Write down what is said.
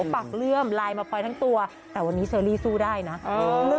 ปากเลื่อมไลน์มาพลอยทั้งตัวแต่วันนี้เชอรี่สู้ได้นะเออ